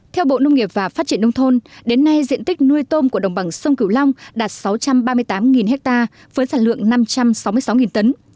theo bộ nông nghiệp và phát triển nông thôn đến nay diện tích nuôi tôm của đồng bằng sông cửu long đạt sáu trăm ba mươi tám ha với sản lượng năm trăm sáu mươi sáu tấn